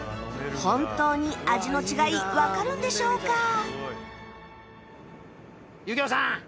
本当に味の違いわかるんでしょうか？